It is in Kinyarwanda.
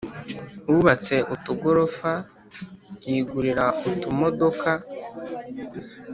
wubatse utugorofa yigurira utumodoka